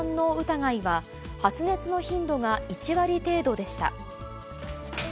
疑いは、発熱の頻度が１割程度でした。